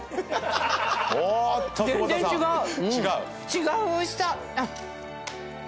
違うおいしさ。